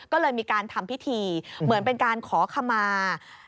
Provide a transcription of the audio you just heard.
ก็เลยมีการทำพิธีเหมือนเป็นการขอขมา